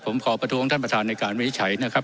ผมขอประท้วงท่านประธานในการวินิจฉัยนะครับ